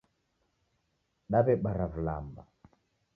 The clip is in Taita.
Daw'ebara vilamba